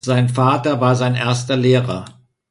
Sein Vater war sein erster Lehrer.